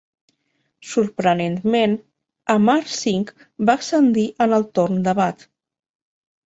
Sorprenentment, Amar Singh va ascendir en el torn de bat.